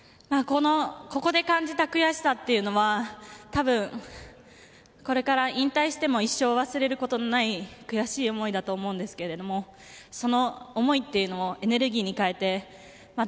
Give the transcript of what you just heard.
ここで感じた悔しさというのは多分、これから引退しても一生忘れることのない悔しい思いだと思うんですがその思いというのをエネルギーに変えてまた、